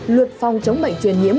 luật phòng chống bệnh truyền nhiễm